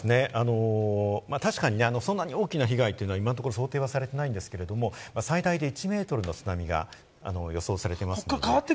確かにそんなに大きな被害というのは、今のところ想定されていないんですけれど、最大で１メートルの津波が予想されています。